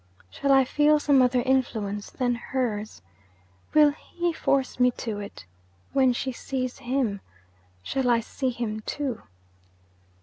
Shall I feel some other influence than hers? Will he force me to it? When she sees him, shall I see him too?'